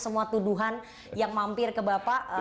semua tuduhan yang mampir ke bapak